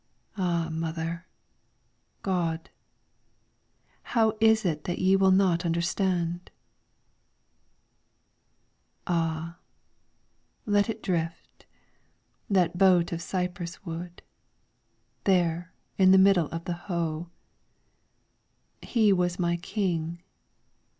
Ah Mother ! God ! How is it that ye will not understand ? Ah, let it drift, that boat of cypress wood, There in the middle of the Ho. He was my King.